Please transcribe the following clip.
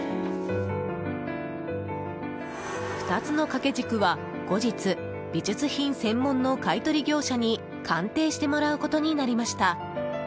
２つの掛け軸は、後日美術品専門の買い取り業者に鑑定してもらうことになりました。